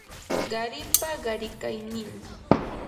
qaripa qarikaynin